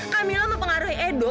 kamila mempengaruhi edo